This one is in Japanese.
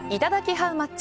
ハウマッチ